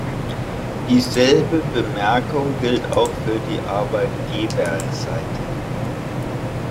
Dieselbe Bemerkung gilt auch für die Arbeitgeberseite.